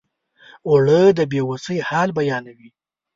اوړه د بې وسۍ حال بیانوي